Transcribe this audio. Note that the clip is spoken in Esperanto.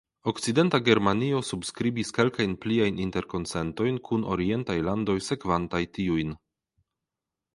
Okcidenta Germanio subskribis kelkajn pliajn interkonsentojn kun orientaj landoj sekvantaj tiujn.